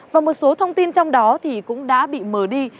và một số thông tin trong đó thì cũng đã bị mờ đi